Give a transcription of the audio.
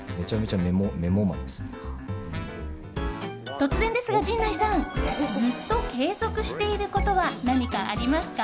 突然ですが、陣内さん！ずっと継続していることは何かありますか？